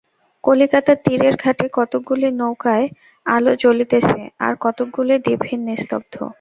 কলিকাতার তীরের ঘাটে কতকগুলি নৌকায় আলো জ্বলিতেছে আর কতকগুলি দীপহীন নিস্তব্ধ।